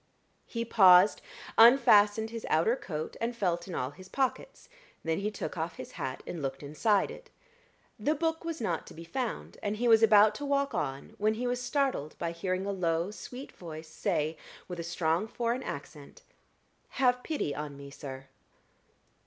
He paused, unfastened his outer coat, and felt in all his pockets, then he took off his hat and looked inside it. The book was not to be found, and he was about to walk on, when he was startled by hearing a low, sweet voice, say, with a strong foreign accent "Have pity on me, sir."